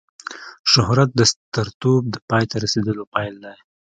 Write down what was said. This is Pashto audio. شهرت د سترتوب د پای ته رسېدلو پیل دی.